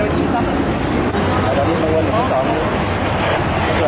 ไม่มีคนมารีบทำไม